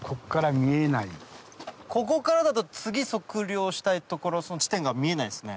ここからだと次測量したい所その地点が見えないですね。